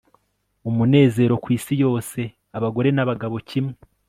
umunezero kwisi yose, abagore nabagabo kimwe